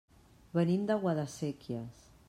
Venim de Guadasséquies.